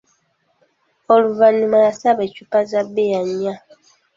Oluvannyuma yasaba eccupa za bbiya nnya.